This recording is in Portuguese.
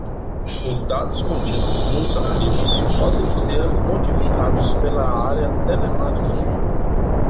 Os dados contidos nos arquivos podem ser modificados pela Área Telemática Comum.